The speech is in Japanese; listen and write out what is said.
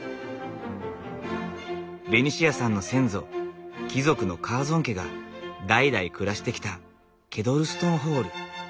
ベニシアさんの先祖貴族のカーゾン家が代々暮らしてきたケドルストンホール。